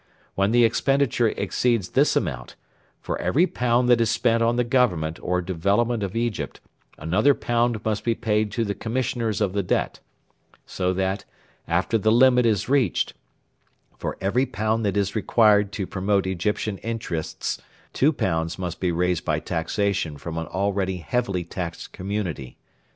When the expenditure exceeds this amount, for every pound that is spent on the government or development of Egypt another pound must be paid to the Commissioners of the Debt; so that, after the limit is reached, for every pound that is required to promote Egyptian interests two pounds must be raised by taxation from an already heavily taxed community.